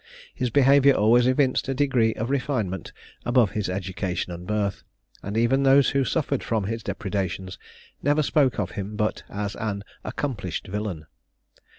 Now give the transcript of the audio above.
His behaviour always evinced a degree of refinement above his education and birth; and even those who suffered from his depredations never spoke of him but as an "accomplished villain."